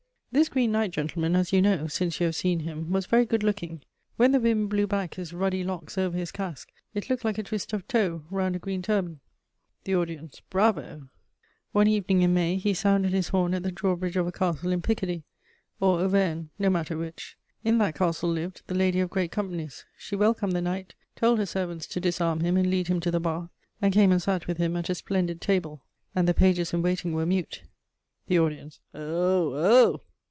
"This Green Knight, gentlemen, as you know, since you have seen him, was very good looking: when the wind blew back his ruddy locks over his casque, it looked like a twist of tow round a green turban." The audience: "Bravo!" [Sidenote: Dinarzade's tales.] "One evening in May, he sounded his horn at the draw bridge of a castle in Picardy, or Auvergne, no matter which. In that castle lived "the Lady of Great Companies." She welcomed the knight, told her servants to disarm him and lead him to the bath, and came and sat with him at a splendid table; and the pages in waiting were mute." The audience: "Oh, oh!"